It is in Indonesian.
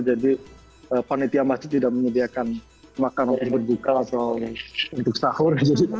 jadi panitia masjid tidak menyediakan makanan untuk berbuka atau untuk sahur